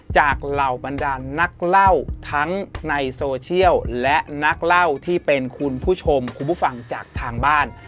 เหล่าบรรดานนักเล่าทั้งในโซเชียลและนักเล่าที่เป็นคุณผู้ชมคุณผู้ฟังจากทางบ้าน